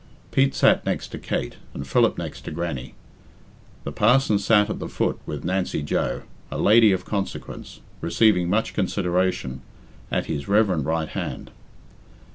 Pete sat next to Kate, and Philip next to Grannie. The parson sat at the foot with Nancy Joe, a lady of consequence, receiving much consideration, at his reverent right hand.